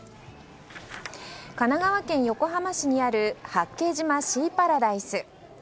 神奈川県横浜市にある八景島シーパラダイス。